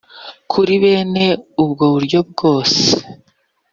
kuri bene ubwo buryo bwose